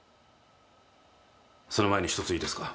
その前に一ついいですか？